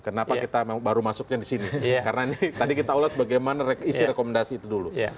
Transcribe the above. kenapa kita baru masuknya di sini karena ini tadi kita ulas bagaimana isi rekomendasi itu dulu